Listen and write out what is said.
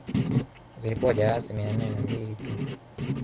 Zilikuwa jahazi mia nne na mbili tu